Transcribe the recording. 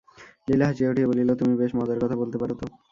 লীলা হাসিয়া উঠিয়া বলিল, তুমি বেশ মজার কথা বলতে পারো তো?